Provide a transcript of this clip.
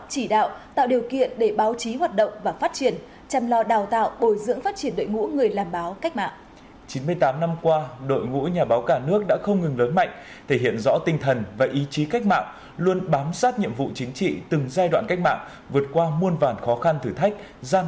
chỉ đạo tạo điều kiện để báo chí hoạt động và phát triển